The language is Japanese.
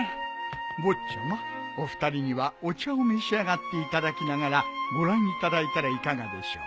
坊ちゃまお二人にはお茶を召し上がっていただきながらご覧いただいたらいかがでしょう？